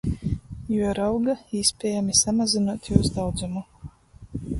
Juorauga īspiejami samazynuot jūs daudzumu.